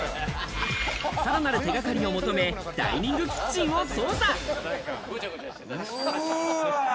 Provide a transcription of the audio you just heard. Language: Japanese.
さらなる手掛かりを求め、ダイニングキッチンを捜査。